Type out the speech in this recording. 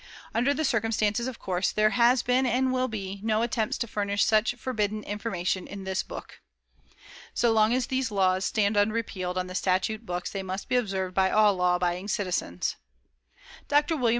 UNDER THE CIRCUMSTANCES, OF COURSE, THERE HAS BEEN, AND WILL BE, NO ATTEMPTS TO FURNISH SUCH FORBIDDEN INFORMATION IN THIS BOOK. So long as these laws stand unrepealed on the statute books, they must be observed by all law abiding citizens. Dr. Wm.